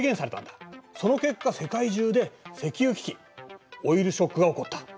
その結果世界中で石油危機オイルショックが起こった。